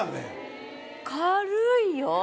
軽いよ！